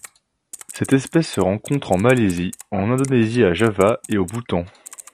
Cette espèce se rencontre en Malaisie, en Indonésie à Java et au Bhoutan.